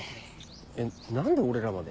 えっ何で俺らまで。